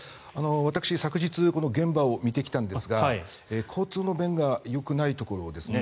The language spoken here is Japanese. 私、昨日現場を見てきたんですが交通の便がよくないところですね。